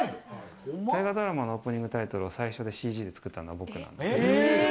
大河ドラマのオープニングタイトルを最初ＣＧで作ったのは僕。